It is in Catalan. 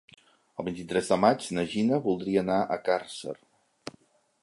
El vint-i-tres de maig na Gina voldria anar a Càrcer.